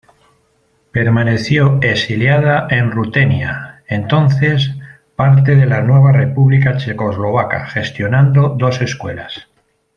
Permaneció exiliada en Rutenia, entonces parte de la nueva república checoslovaca, gestionando dos escuelas.